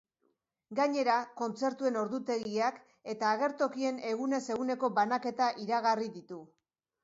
Gainera, kontzertuen ordutegiak eta agertokien egunez eguneko banaketa iragarri ditu.